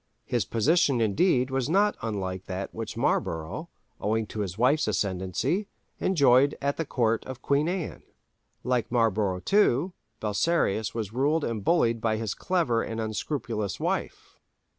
His position, indeed, was not unlike that which Marlborough, owing to his wife's ascendency, enjoyed at the Court of Queen Anne. Like Marlborough, too, Belisarius was ruled and bullied by his clever and unscrupulous wife.